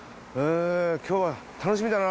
今日は楽しみだな。